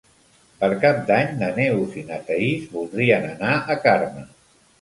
Per Cap d'Any na Neus i na Thaís voldrien anar a Carme.